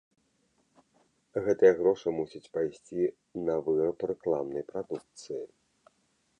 Гэтыя грошы мусяць пайсці на выраб рэкламнай прадукцыі.